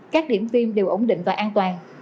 các điểm tiêm đều ổn định và an toàn